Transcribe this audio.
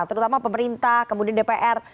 terutama pemerintah kemudian dpr